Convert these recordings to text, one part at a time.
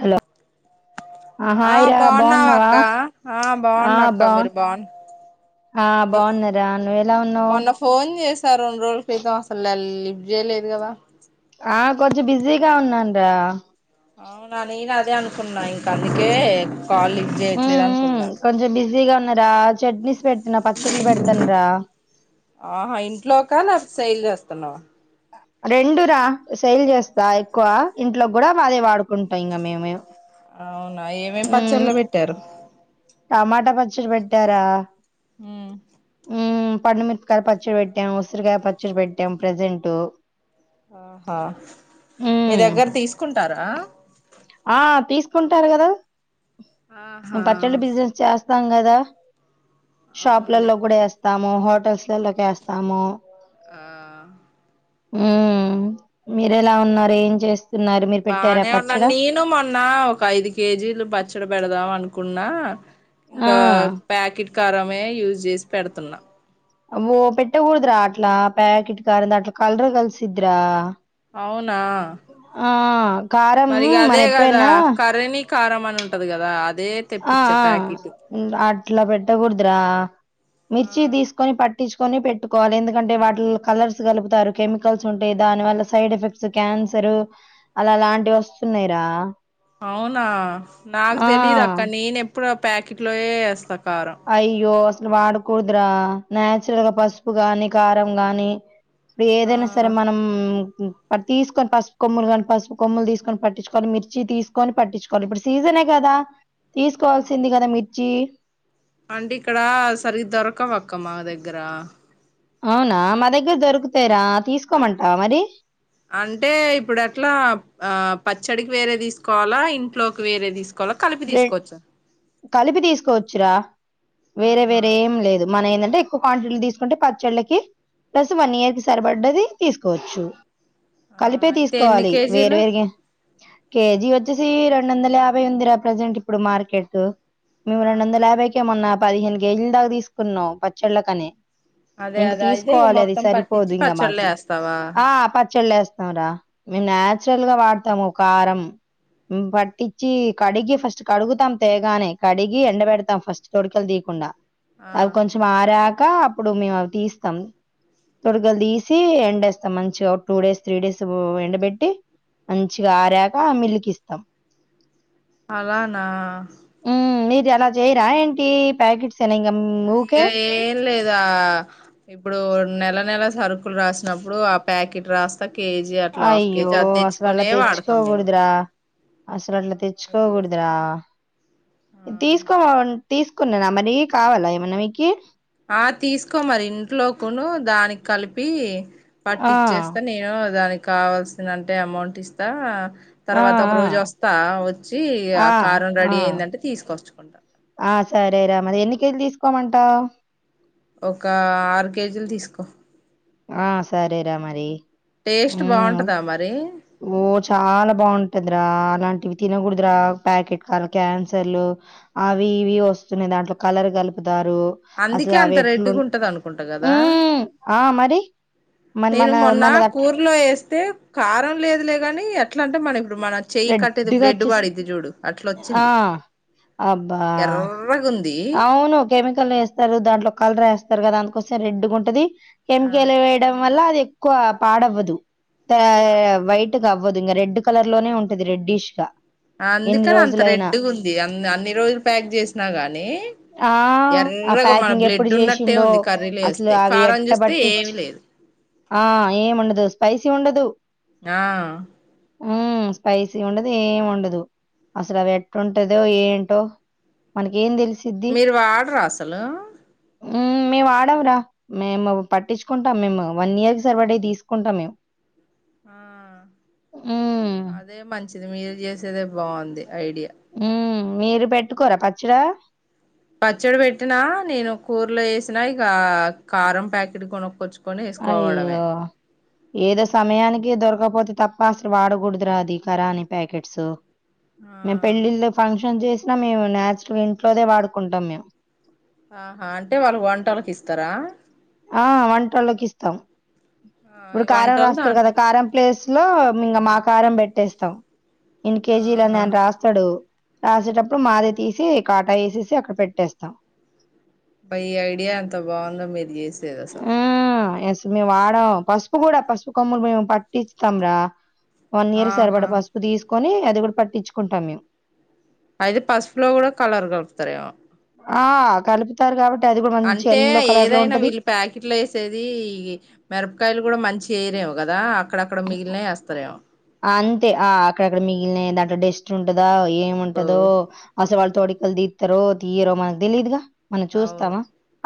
Hello ఆ బాగున్నావక్క ఆ ఆ బాగున్నాక్క బాగు మీరు బాగున్న ఆ బాగున్నారా నువ్వు ఎలా ఉన్నావు మొన్న ఫోన్ చేసా రెండు రోజుల క్రితం అసలు లల్లి చేయలేదు కదా ఆ కొంచం బిజీగా ఉన్నాను రా అవునా నేను అదే అనుకున్నా ఇంక అందుకే కాల్ లిఫ్ట్ చేయట్లేదు అనుకున్నా రా చట్నీస్ పెడతనా పచ్చలు పెడతాన రా సెల్సెతన్నావా రెండురా సేల్ చేస్తా ఎక్కువ ఇంట్లో కూడా వాదే వాడుకుంటా ఇంకా మేము అవునా ఏమేం పచ్చళ్ళ పెట్టారు త పచ్చళ్ళు పెట్టారా ఉమ్ ఉమ్ పండుమిరపకాయ్ పచ్చడి పెట్టాం ఉసిరికాయ పచ్చడి పెట్టాం ప్రజెంట్ ఆహా మీ దగ్గర తీసుకుంటారా ఆ తీసుకుంటారు కదా ఆహా మేము పచ్చళ్ళు బిజినెస్ చేస్తా స్తాం కదా అవునులే షాప్లలో కూడా వేస్తాము హోటల్స్లలోకి ఎస్తాము ఆ ఉ మీర ఎలా ఉన్నారు ఏం చేస్ బానే ఉన్నాను నేను మొన్న ఒక ఐదు కేజీలు పచ్చడి పెడదాం అనుకు అకున్నా ఆ ఇంకా ప్యాకెట్ కారమే యూజ్ చేసి పెడుతున్నా ఓ పెట్టగుడద్ర ఆట్లా ప్యాకెట్ కారంద ఆట్ల కలర్ కల్సద్రా అవునా ఆ కారం మరి ఇగ మనం అదే కదా ఎప్పుడైనా కర్రీని కారం అని ఉంటది కదా అద్ ఆ ఆ అట్లా పెట్టకూడదురా ఆ మిర్చి తీసుకొని పట్ పట్టించుకొని పెట్టుకోవాలి ఎందుకంటే వాటి కలర్స్ కలుపుతారు కెమికల్స్ ఉంటాయి దాని వల్ల సైడ్ ఎఫెక్ట్స్ క్యాన్ క్యాన్సరు అలా లాంటివి వస్తునాయిరా అవునా నాకు తెలీదు ఆ అక్క నేన్ ఎప్పుడు ఆ ప్యాకెట్ లోయే ఏస్తా అక్క అయ్యో అసలు వాడకూడదరా నచురల్ గా పసుపు గాని కారం గాని ఆ ఏదైనా సరే మనం ప తీసుకొని పసుపు కొమ్ములు కానీ పసుపు కొమ్ములు తీసుకొని పట్టించుకోని మిర్చి తీసుకొని పట్టించుకోవాలి ఇప్పుడు సీజ్ కదా తీసుకోవాల్సింది కదా మిర్చి అంటే ఇక్కడ సరిగ్గా దొరకదు అక్క మా దగ్గర అవునా మా దగ్గర దొరుకుతాయిరా తీసుకోమంటావ మరి అంటే ఇప్పుడు ఎట్లా ఆ పచ్చడికి వేరే తీసుకోవాలా ఇంట్లోకి వేరే తీసు కలిపి రె తీసుకోవచ్చు కలిపి తీసుకోవచ్చురా వేరే ఆహా వేరే ఏం లేదు మన ఏంటంటే కో క్వాంటిటీ తీసుకుంటే పచ్చళ్లకి ప్లస్ వన్ ఇయర్ కి సరిపడ్డది తీసుకోవచ్చు ఆ కలిపే అయితే ఎన్ని తీసుకోవాలి కేజీలు వేర్వేరుగేమ్ కేజీ వచ్చేసి రెండు వందల యాభై ఉందిరా ప్రజెంట్ ఇప్పుడు మార్కెట్ మేము రెండు ఆహా వందల యాభైక ఏమన్నా పదిహేను కేజీల దాకా తీసుకున్నాం పచ్చళ్ళకని అదే ఇంక అదే అయితే ఇక తీసుకోవాలి అది మొత్తం సరిపోదు పట్టించి ఇంకా పచ్చళ్ళ మాకి వేస్తావా ఆ పచ్చళ్ళు వేస్తాంరా మేము నాచురల్ గా వాడతాము కారం పట్టించి కడిగి ఫస్ట్ కడుగుతాం తేగానే కడిగి ఎండ బిడతాం ఫస్ట్ తొడుకలు తీయకుండా ఆ అవి కొంచం ఆరాక అప్పుడు మేమువి తీస్తాం తొడుగలు తీసి ఎండేస్తాం మంచిగా ఒక టూ డేస్ త్రీ డేస్ ఎండబెట్టి మంచిగా ఆరాక మిల్లికి ఇస్తాం అలానా హ్మ్. మీరు అలా చేయరా ఏంటి ప్యాకెట్స్ ఎన ఇక ఏం లేదు ఇప్పుడు నెల నెల సరుకులు రాసినప్పుడు ఆ ప్యాకెట్ రాస్త అ కేజీ అట్లా హాఫ్ అయ్యో! కేజీ అద్దెచ్చుకునే వాడతాం మేము అసలు అట్లా అయ్యో తెచ్చుకోకూడదురా ఆహా తీసుకోమ తీసు కున్నా మరి కావాలా ఏమన్నా మీకి ఆ తీసుకోమరి ఇంట్లో కొను దానికి కలిపి పట్టి ఆ! ఇచ్చేస్తా నేను దానికి కావాల్సిన అంటే అమౌంట్ ఇస్తా ఆ! తర్వాత ఒక ఆ! రోజు వస్తా వచ్చి ఆ కారం ఆ! రెడీ అయిందంటే తీసుకొచ్చుకుంటా ఆ సరే రా మరి ఎన్ని కేజీలు తీసుకోమంటా ఒక ఆరు కేజీలు తీసుకో ఆ సరే రా మరి టేస్ట్ బాగుంటదా మరి ఓ చాలా బాగుంటదిరా అలాంటివి తినకూడదురా ప్యాకెట్ కార క్యాన్సర్లు అవి ఇవి వస్తున్నాయ్ దాంట్లో కలర్ కలుప్ తారు అసలు అందుకే అంత అవెట్లు రెడ్డిగా ఉంటది అనుకుంటా కదా ఉమ్ ఆ మరి మన మన నేను మొన్న మనది అట్లా కూర్లో వేస్తే కారం లేదు లే ని ఎట్లా అంటే మనం ఇప్పుడు మన చెయ్యి కట్టేది రెడ్‌గా బ్లెడ్ వచ్చేసిద్ది. పడిద్ది చూడు అట్లా ఆ! వచ్చింది అబ్బా ఎర్రగుంది అవును కెమికల్ వేస్తారు దాంట్లో కలర్ వేస్తారు కదా దానికొస్తే రెడ్ ఉంటది ఆ కెమికల్ వేయడం వల్ల అది ఎక్కువ పాడవ్వదు ఆ వైట్గా అవ్వదు ఇంకా రెడ్ కలర్ లోనే ఉంటంది రెడ్డిష్గా అందుకని అంత రెడ్గా ఉంది అ అన్ని రోజులు ప్యాక్ చేసినా గానీ ఆ ఆ ప్యాకింగ్ ఎప్పుడు ఉన్నట్టే చేసిండో ఉంది కర్రీలు అసలు వేస్తే అవి కారం ఎట్ట చూస్తే పట్టిచ్చ ఏమి లేదు ఆ ఏముండదు స్పైసీ ఉండదు ఆ ఆ స్పైసీ ఉండదు ఏం ఉండదు అసలు అవి ఎట్ ఉంటదో ఏంటో మనకి మీరు వాడరా అసలు మేము వాడమురా మేము పట్టించుకుంటాం మేము వన్ ఇయర్ సర్వా డే తీసుకుంటాం మేము ఆ హ్మ్. అదే మంచిది మీరు చేసేది బాగుంది ఐడియా హ్మ్. మీరు పెట్టుకోరా పచ్చడి పచ్చడి పెట్టినా నేను కూరలో వేసిన ఇక కారం ప్యాకెట్ కొనక్కవచ్చు అయ్యో ఏదో సమయానికి దొరకపోతే తప్ప అసలు వాడకూడదురా అది కరాని ప్యాకెట్స్ ఆ మేము పెళ్ళిళ్ళ ఫంక్షన్ చేసినా మేము న్చురల్ ఇంట్లోదే వాడుకుంటాం మేము ఆహా అంటే వాళ్ళకి వంటలకి ఇస్తారా ఆ వంటల్లోకి ఇస్తాం ఆ ఇప్పుడు ఈ కారం వంటోళ్ళు రాస్తారు కదా దాంట్లో కారం ప్లేస్ లో ఇంకా మా కారం పెట్టేస్తాం ఇన్ని కేజీలని ఆ అని రాస్తాడు రాసేటప్పుడు మాది తీసి కాటా వేసేసి అక్కడ పెట్టేస్తాం అ ఈ ఐడియా ఎంత బాగుందో మీరు చేసేది అసలు ఆ! యెస్. మేము వాడం పసుపు కూడా పసుపు కొమ్ములు మేము పట్టిస్తాం రా వన్ ఇయర్ ఆహా సరిపడా పసుపు తీసుకొని అది కూడా పట్టించుకుంటాం మేము అయితే పసుపులో కూడా కలర్ కలుపుతార ఆ కలుపుతారు కాబట్టి అంటే ఏదైనా వీళ్ళు ప్యాకెట్లు వేసేది ఈ మిరపకాయలు కూడా మంచి వేరే కదా అక్కడక్కడ మిగిలినవి వేస్తారేమో అంతే ఆ అక్కడక్కడ మీ దాంట్లో డస్ట్ ఉంటదా ఏమి అబ్బో ఉంటదో అసలు వాళ్ళు ఆ, తోడికలు తీస్తరో తీరో మనకు తెలీదుగా మనం అవును చూస్తామా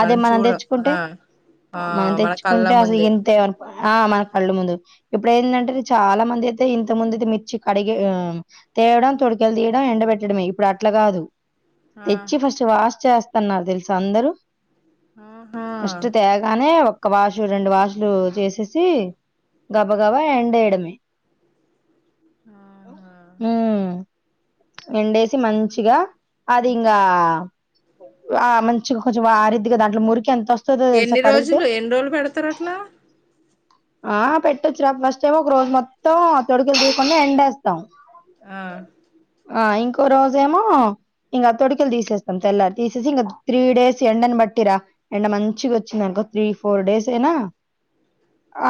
అదే మనం చూడం తెచ్చుకుంటే ఆ ఆ మనం మన కళ్ళ తెచ్చుకుంటే అసలు ముందే ఇంతే ఆ మన కళ్ళ ముందు ఇప్పుడు ఏందంటే చాలా మంది అయితే ఇంత ముందు మిర్చి కడిగి తేవడం తొడికలు తీయడం ఎండ పెట్టడమే ఇప్పుడు అట్లా కాదు ఆ తెచ్చి ఫస్ట్ వాష్ చేస్తున్నారు తెలుసా అందరు ఆహా ఫస్ట్ తేగానే, ఒక్క వాషు, రెండు వాషులు చేసేసి, గబ గబ ఎండేయడమే, ఆహా ఉమ్మ్ ఎండేసి మంచిగా, అది ఇంగా ఆ మంచిగా కొంచెం ఆరిద్దీగా, దాంట్లో ముర్క్ కి ఎంత ఓస్తదో తెల్సా, ఎన్ని కడుగుతే. రోజులు ఎన్ని రోజులు పెడతారు అట్లా ఆ పెట్టొచ్చురా. ఫస్ట్ ఏమో ఒక రోజు మొత్తం తొడుకలు తీయకుండ ఎండేస్తాం. ఉమ్మ్. ఆ ఇంకో రోజేమో, ఇంగా తొడికలు తీసేస్తాం తెల్లారి. తీసేసి ఇంకా త్రీ డేస్, ఎండన్ బట్ బట్టి రా. ఎండ మంచిగ ఓచ్చిందనుకో త్రీ, ఫోర్ డేస్ అయినా,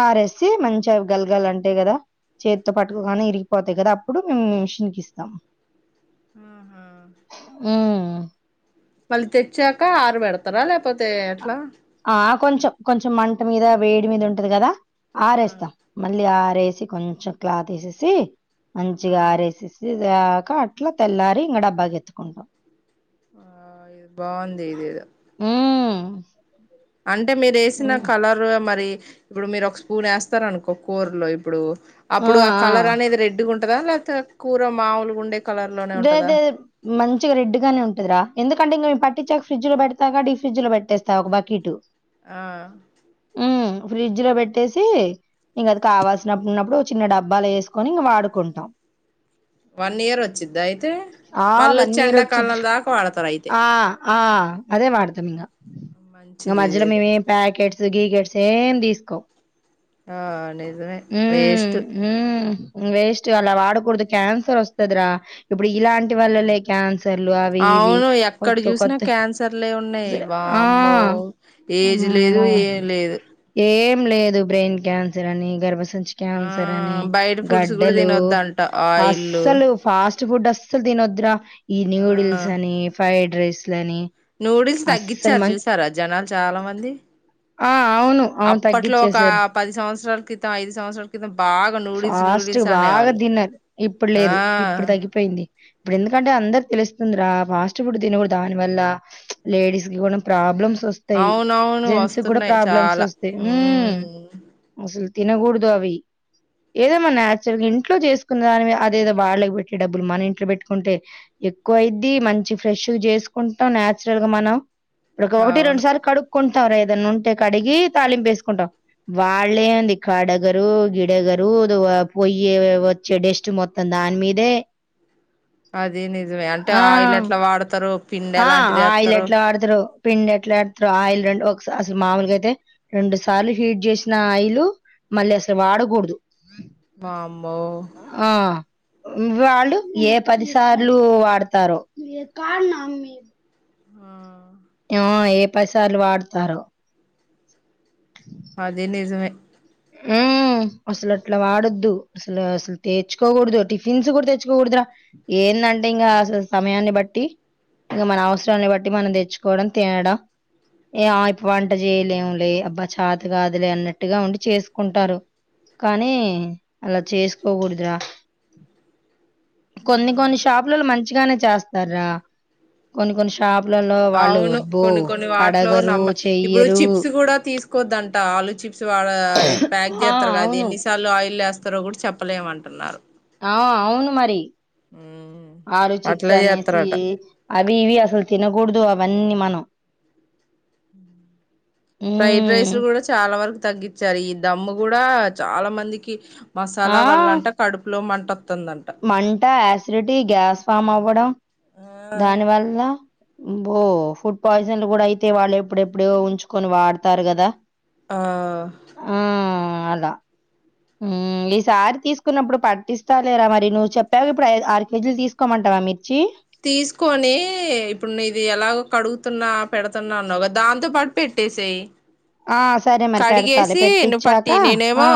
ఆరేసి, మంచ్ అవి గలగల అంటాయి కదా, చేతితో పట్టుగానే ఇరిగిపోతాయి కదా. అప్పుడు మేము మిషిన్కి ఇస్తాం. ఉహుమ్. ఉమ్ వాళ్లు తెచ్చాక ఆరా బెడ్తరా, లేకపోతే ఎట్లా. ఆ కొంచెం, కొంచెం మంట మీద, వేడి మీద ఉంటది కదా. ఆ ఆరేస్తా మళ్ళీ ఆ, రేసి, కొంచెం క్లాత్ ఏసేసి, మంచిగా ఆ ఆరేసేసిసి దాక అట్లా, తెల్లారి ఇంగ డబ్బాకి ఎత్తుకుంటాం. ఆ ఇది బావుంది ఇదేదొ. బ [inaudible] అంటే మీరేసిన కలర్ మరి, ఇప్పుడు మీర్ ఒక స్పూన్ ఏస్తారనుకో కూరలో ఇప్పుడు, అప్పుడు ఆ కలర్ అనేది రెడ్ గుంటదా, లేకపోతే కూర మాములుగా ఉండే, కలర్ లోనే ఉంటదా దేదే, మంచిగా రెడ్ గానే ఉంటదిరా, ఎందుక్ కంటే ఇంగా మేము పట్టించాక ఫ్రిడ్జ్ లో పెడ్తాగా. డీప్ ఫ్రిడ్జ్ లో పెట్టేస్తా ఒక బకీటు. ఆ. ఉమ్ ఫ్రిడ్జ్ లో బెట్టేసి, ఇంగా అది కావాల్సినప్పుడున్నప్పుడు చిన్న డబ్బాలో ఏసుకొని ఇంగా వాడుకుంటాం. వన్ ఇయర్ ఓచ్చిద్దా అయితే. ఆ! మల్లొచ్చే ఇయర్ ఒచ్చిద్ది. ఎండాకాలం దాకా వాడతా, ఆ ఆ అదే వాడతం ఇంగ. ఇగ మంచిది మధ్యలో ఇదేదో మేం ఏమ్ ప్యాకెట్, ట్స్, గీకేడ్స్ ఏమ్ దిస్కోమ్. ఆ నిజమే, వేస్ట్. హ్మ్. వేస్ట్ అలా వాడకూడదు క్యాన్సర్ ఓస్తది రా. ఇప్పుడ్ ఇలాంటి వల్లలే క్యాన్స్ సెర్లు అవి, ఇవి. యాక్కడ కొత్త జుసినా కొత్త క్యాన్సర్లే ఉన్నాయి. ఆ! వామ్మో ఏజ్ లేదు, అమ్మో! ఏం లేదు. ఏం లేదు, బ్రెయిన్ క్యాన్సర్ అని, గర్భసన్ [unintelligible] ఆ క్యాన్సర్ అని, బయట ఫుడ్స్ కూడా గడ్డలు తినొద్దంట ఆయిల్ అస్సలు ఫాస్ స్ట్ ఫుడ్ అస్సల్ తినొద్దురా. ఈ ఆ న్యూడిల్స్ అని, ఫ్రైడ్ రైస్ నూడిల్స్ తగ్గిచ్చరు చూసారా, జనాలు చాలా మంది. ఆ! అవును. అవును. అప్పట్లో ఒక తగ్గిచ్చేశారు. పది సంవత్సరాల క్రితం, ఐదు సంవత్సరాల క్రితం, బాగా నూడిల్స్ ఫాస్ట్ నూడిల్స్ బాగా అనేవాళ్ళు దిన్నారు. ఇప్పుడు ఆ లేదు, ఇప్పుడు తగ్గిపోయింది. ఇప్పుడు ఎందుకంటే అందర్ తెలుస్తుందిరా. ఫాస్ట్ ఫుడ్ తినకూడద్ దాని వల్ల, లేడీస్ కి కూడా ప్రాబ్లమ్స్, సోస్తాయ్. అవునవును జెంట్స్ కూడా వస్తున్నాయి ప్రాబ్లమ్స్ చాలా ఓస్తాయి. ఉమ్మ్ ఉమ్ అసల్, తినకూడుదు అవి. ఏదో మన నాచురల్గా, ఇంట్లో చేసుకున్న దాన్ని, అదేదో వాళ్ళకి బెట్టే డబ్బులు, మన ఇంట్లో పెట్టుకుంటే ఎక్ కొయిద్దీ మంచి ఫ్రెష్ గా జేసుకుంటా నాచురల్ గా మనం. ఒకటి, అవును రెండుసార్లు కడుగ్ కొంటాంర్, ఏదన్నా ఉంటే కడి, గి తాళింపు ఏసుకుంటాం. వాళ్ళే ఏంది కడగరు, గిడగర్ రోదు వా పోయ్యే, వచ్చే డెస్ట్ మొత్తం దాని మీదే. అది నిజమే అంటే ఆ, ఆయిల్ ఎట్లా వాడతారు పిండి ఆ ఎలాంటిది ఆయిలు ఎత్తారు ఎట్లా వాడ్తారో. పిండి ఎడ్తరో, ఆయిల్ రెండు, ఒకస అసలు మామూలుగా అయితే, రెండు సార్లు హీట్ జేసిన ఆయిలు, మళ్ళీ అసల్, వాడకూడ్దు. వామ్మో. ఆ వాళ్ళు, ఏ పదిసార్లు వాడ్తారో. ఆ ఆ ఏ పది సార్లు వాడతారో అది నిజమే ఉమ్ అసలు అట్లా వాడొద్దు అసలు అసలు తెచ్చుకోకూడదు టిఫిన్స్ కూడా తెచ్చుకోకూడదురా ఏ ఏందంటే ఇంకా అసలు సమయాన్ని బట్టి ఇంక మన అవసరన్ని బట్టి మనం తెచ్చుకోవడం తినడం ఏ ఆ ఇపు వంట చేయలేము లే అబ్బా చాత కాదులే అన్నట్టుగా ఉండి చేసుకుంటారు కానీ అలా చేసుకోకూడదురా కొన్ని కొన్ని షాపులలో మంచిగానే చేస్తార్రా కొన్ని కొన్ని షాపు అవును కొన్ని కొన్ని వాటిలో కడగరు, నమ్మ ఇప్పుడు చెయ్యరు. చిప్స్ కూడా తీసుకోద్దంట ఆలు చిప్ వాళ ప్యాక్ ఆ! చేస్తారు కదది అవును. ఎన్నిసార్లు ఆయిల్ వేస్తారో కూడా చెప్పలేమంటున్నారు. ఆ అవును మరి ఆలు చిప్స్ అట్లా అనేసి చేస్తారట అవి ఇవి అసలు తినకూడదు అవన్నీ మనం ఫ్రైడ్ ఉమ్ రైస్లు కూడా చాలా వరకు తగ్గించారు ఈ దమ్ము కూడా చాలా మందికి మసాలా ఆ వడలంట కడుపులో మంట వస్తుందంట మంట యాసిడిటీ గ్యాస్ ఫామ్ అవ్వడం దానివల్ల అబో ఫుడ్ పాయిజన్లు కూడా అయితే వాళ్ళు ఎప్పుడెప్పుడియో ఉంచుకొని వాడతారు కదా ఆ ఆ అల హ్మ్మ్ ఈసారి తీసుకున్నప్పుడు పట్టిస్తా లేరా మరి నువ్వు చెప్పాగా ఇప్పుడు ఆరు కేజీలు తీసుకోమంటా వా మిర్చి తీసుకొని ఇప్పుడు నీది ఎలా కడుగుతున్నా పెడుతున్నా అన్నావు కదా దాంతో పాటు పెట్టేసేయి ఆ సరే మరి పెడతాలే కడిగేసి నువు పెట్టిచ్చాక పట్టి ఆ నేనేమో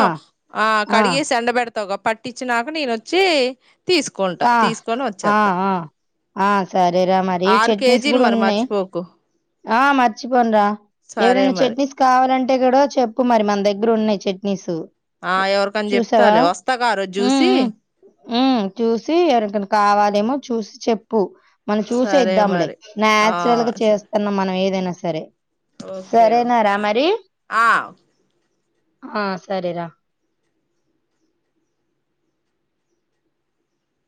ఆ కడిగేసి ఎండబెడతా తవుగ పట్టించినాక నేనొచ్చి ఆ ఆ ఆ ఆ సరేరా మరి ఆరు చట్నీస్ కేజీలు కూడా మరి ఉన్నాయి. మర్చిపోకు ఆ మర్చిపోను రా సరే ఎవరైనా మరి చట్నీస్ కావాలంటే అంటే కూడా చెప్పు మరి మన దగ్గర ఉన్నాయి చట్నీస్ ఆ ఎవరికని చూసావా చెప్తాలే వస్తాగా ఆ రోజు చూసి ఉమ్ ఉమ్ చూసి ఎవరికైన కావాలేమో చూసి చెప్పు మనం చూసే సరే ఇద్దాములే మరి ఆ నాచురల్ గా సరే చేస్తున్నాం మనం ఏదైనా సరే ఓకే సరేనారా ఓకే మరి? ఆ ఆ సరేరా